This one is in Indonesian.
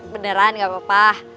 beneran gak apa apa